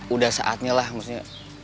udah saatnya lah maksudnya